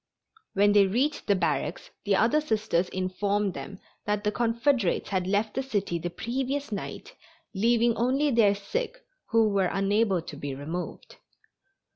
When they reached the barracks the other Sisters informed them that the Confederates had left the city the previous night, leaving only their sick who were unable to be removed.